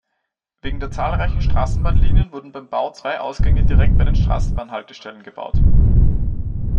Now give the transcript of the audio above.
Wegen der zahlreichen Straßenbahnlinien wurden beim Bau zwei Ausgänge direkt bei den Straßenbahnhaltestellen gebaut.